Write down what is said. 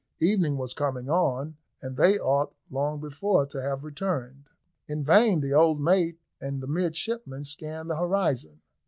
Evening was coming on, and they ought long before to have returned. In vain the old mate and the midshipman scanned the horizon.